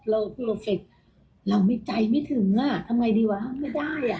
เรามีใจไม่ถึงล่ะทำไมดีกว่าไม่ได้